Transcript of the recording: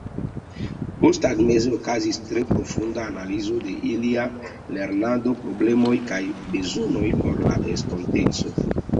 Posttagmeze okazis tre profunda analizo de ilia lernado, problemoj kaj bezonoj por la estonteco.